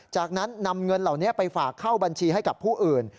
จากนั้นนำเงินเหล่านี้ไปฝากเข้าบัญชีให้กับผู้อื่น